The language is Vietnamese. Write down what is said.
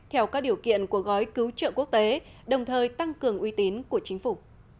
theo các điều kiện của gói cứu trợ quốc tế đồng thời tăng cường uy tín của chính phủ